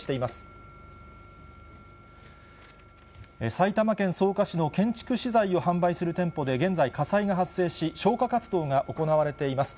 埼玉県草加市の建築資材を販売する店舗で現在、火災が発生し、消火活動が行われています。